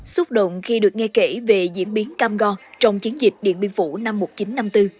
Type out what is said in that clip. xúc động khi được nghe kể về diễn biến cam go trong chiến dịch điện biên phủ năm một nghìn chín trăm năm mươi bốn